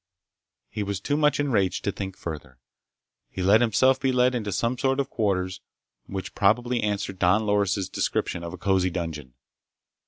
He was too much enraged to think further. He let himself be led into some sort of quarters which probably answered Don Loris' description of a cozy dungeon.